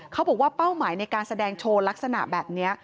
เขาบอกว่าเป้าหมายในการแสดงโชว์ลักษณะแบบนี้